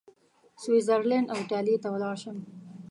سویس زرلینډ او ایټالیې ته ولاړ شم.